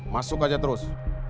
masuk aja terus